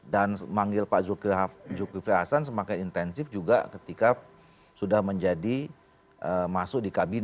dan memanggil pak zulkifli hasan semakin intensif juga ketika sudah menjadi masuk di kabinet